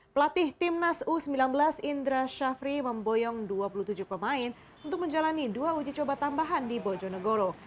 pelatih timnas u sembilan belas indra syafri memboyong dua puluh tujuh pemain untuk menjalani dua uji coba tambahan di bojonegoro